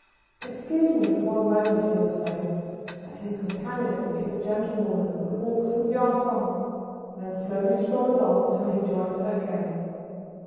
] "Excuse me for one moment," he would say, and his companion, if a gentlewoman, would walk some yards on, and then slowly stroll along until he joined her again.